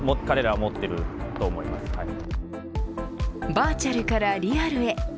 バーチャルからリアルへ。